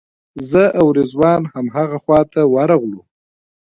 زه او رضوان همغه خواته ورغلو.